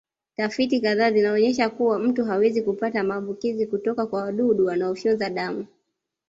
Tafiti kadhaa zinaonyesha kuwa mtu hawezi kupata maambukizi kutoka kwa wadudu wanaofyonza damu